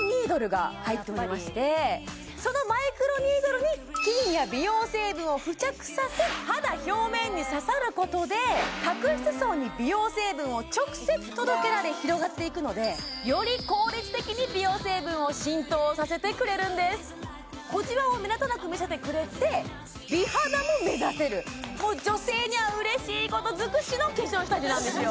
が入っておりましてそのマイクロニードルに金や美容成分を付着させ肌表面に刺さることで角質層に美容成分を直接届けられ広がっていくのでより効率的に美容成分を浸透させてくれるんです小じわを目立たなく見せてくれて美肌も目指せるもう女性には嬉しいことづくしの化粧下地なんですよ